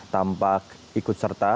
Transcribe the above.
tampak ikut serta